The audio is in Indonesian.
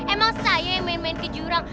emang saya yang main main ke jurang